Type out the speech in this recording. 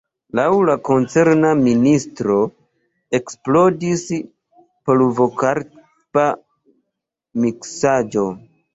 Laŭ la koncerna ministro eksplodis polvokarba miksaĵo.